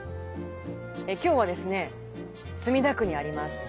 今日はですね墨田区にあります